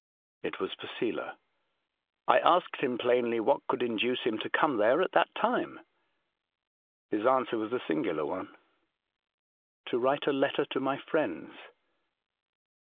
It was Posela. I asked him plainly what could induce him to come there at that time. His answer was a singular one. ' To write a letter to my friends.'